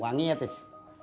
wangi ya tis